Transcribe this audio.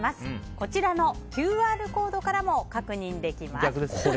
こちらのＱＲコードからも確認できます。